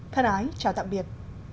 thân ái chào tạm biệt